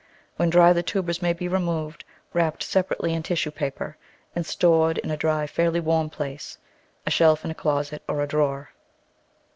When dry the tubers may be removed, wrapped separately in tissue paper and stored in a dry, fairly warm place — a shelf in a closet or a drawer.